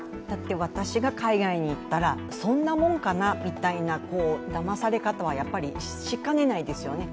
私が海外に行ったら、そんなもんかなというだまされ方はやっぱりしかねないですよね。